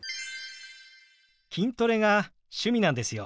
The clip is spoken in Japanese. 筋トレが趣味なんですよ。